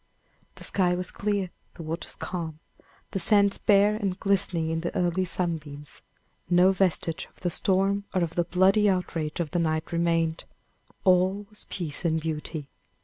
The sky was clear, the waters calm, the sands bare and glistening in the early sunbeams; no vestige of the storm or of the bloody outrage of the night remained all was peace and beauty.